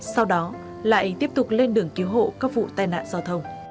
sau đó lại tiếp tục lên đường cứu hộ các vụ tai nạn giao thông